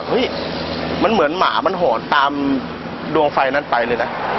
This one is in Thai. เฮ้ยมันเหมือนหมามันหอนตามดวงไฟนั้นไปเลยนะ